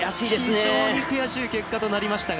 非常に悔しい結果となりましたが。